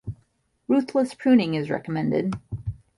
Ruthless pruning is recommended.